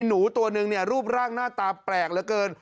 หนูตัวนึงเนี่ยรูปร่างหน้าตาแปลกเหลือเกิน